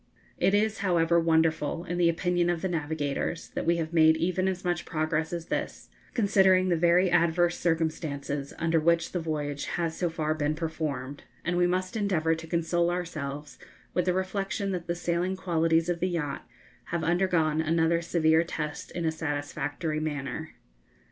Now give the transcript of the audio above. It is, however, wonderful, in the opinion of the navigators, that we have made even as much progress as this, considering the very adverse circumstances under which the voyage has so far been performed, and we must endeavour to console ourselves with the reflection that the sailing qualities of the yacht have undergone another severe test in a satisfactory manner.